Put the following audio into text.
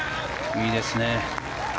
いいですね。